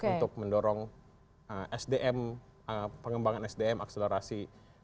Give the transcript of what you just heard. untuk mendorong sdm pengembangan sdm akselerasi